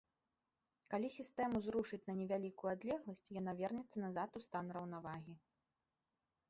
Калі сістэму зрушыць на невялікую адлегласць, яна вернецца назад у стан раўнавагі.